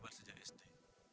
mas kan tahu sendiri